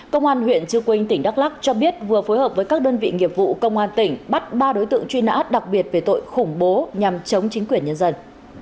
công an huyện chư quynh tỉnh đắk lắc cho biết vừa phối hợp với các đơn vị nghiệp vụ công an tỉnh bắt ba đối tượng truy nã đặc biệt về tội khủng bố nhằm chống chính quyền nhân dân